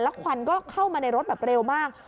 แล้วควันก็เข้ามาในรถเร็วมาก